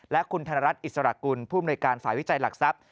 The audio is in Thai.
และคุณธนรัฐอิสระกุลผู้อำนวยการฝ่ายวิจัยหลักทรัพย